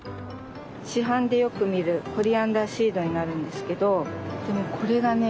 市販でよく見るコリアンダーシードになるんですけどでもこれがね